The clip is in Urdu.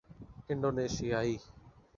انڈونیثیائی